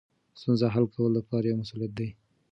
ستونزو حل کول د پلار یوه مسؤلیت ده.